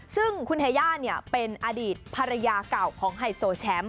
ซึ่งคุณเทย่าเป็นอดีตภรรยาเก่าของไฮโซแชมป์